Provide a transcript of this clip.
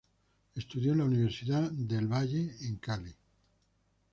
Estudió en la Universidad del Valle en Cali.